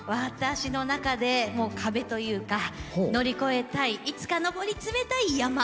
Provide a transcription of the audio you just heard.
私の中で壁というか乗り越えたいいつかのぼりつめたい山。